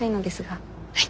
はい。